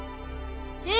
えっ？